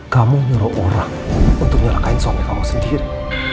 kamu nyuruh orang untuk nyelakain suami kamu sendiri